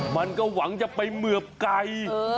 มันก็หวังจะไปเหมือบไก่